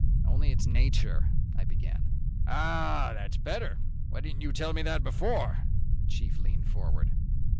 "Only its nature," I began. "Ah! That's better. Why didn't you tell me that before?" The chief leaned forward.